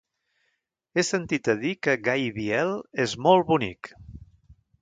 He sentit a dir que Gaibiel és molt bonic.